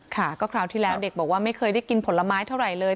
ค่ะก็คราวที่แล้วเด็กบอกว่าไม่เคยได้กินผลไม้เท่าไหร่เลย